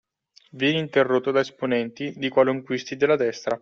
Viene interrotto da esponenti dei qualunquisti e della destra